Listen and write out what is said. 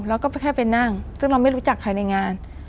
แล้วก็แค่ไปนั่งซึ่งเราไม่รู้จักใครในงาน